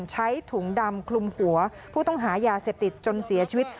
ใช้ถุงดำคลุมหัวผู้ต้องหายาเสพติดจนเสียชีวิต